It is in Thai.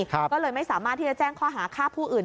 ก็เลยไม่สามารถที่จะแจ้งข้อหาฆ่าผู้อื่น